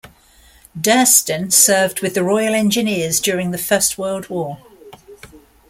Durston served with the Royal Engineers during the First World War.